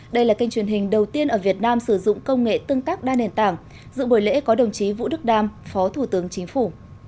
đây là kênh truyền hình đầu tiên ở việt nam sử dụng công nghệ tương tác đa nền tảng dự buổi lễ có đồng chí vũ đức đam phó thủ tướng chính phủ